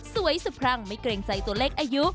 สวยสุบคร่างไม่เกรงใจตัวเล็กอายุ